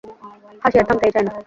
হাসি আর থামতেই চায় না।